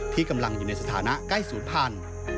ที่กำลังอยู่ในสถานะใกล้ศูนย์พันธุ์